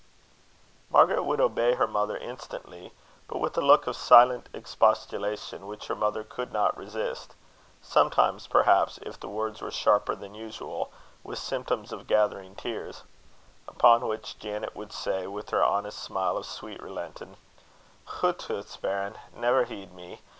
Margaret would obey her mother instantly, but with a look of silent expostulation which her mother could not resist; sometimes, perhaps, if the words were sharper than usual, with symptoms of gathering tears; upon which Janet would say, with her honest smile of sweet relenting, "Hootoots, bairn! never heed me.